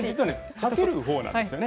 かけるほうなんですよね。